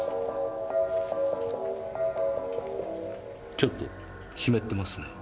ちょっと湿ってますね。